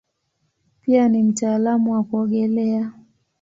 Pia ni mtaalamu wa kuogelea.